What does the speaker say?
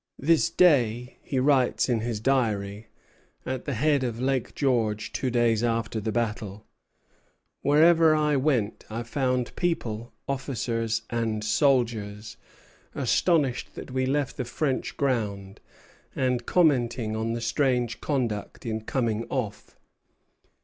"This day," he writes in his Diary, at the head of Lake George, two days after the battle, "wherever I went I found people, officers and soldiers, astonished that we left the French ground, and commenting on the strange conduct in coming off."